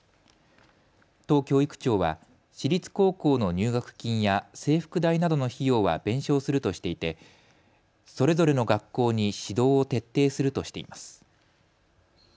都教育庁は私立高校の入学金や制服代などの費用は弁償するとしていてそれぞれの学校に指導を徹底するとしています。